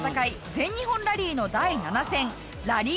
全日本ラリーの第７戦ラリー